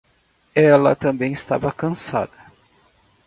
Ela também estava cansada.